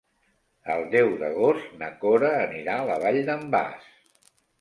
El deu d'agost na Cora anirà a la Vall d'en Bas.